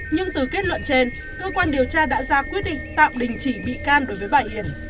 nhưng từ kết luận trên cơ quan điều tra đã ra quyết định tạm đình chỉ bị can đối với bà hiền